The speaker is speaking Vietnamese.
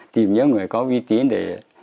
tìm những người có uy tín để